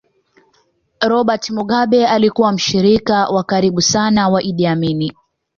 Robert Mugabe alikuwa mshirika wa karibu sana wa Idi Amin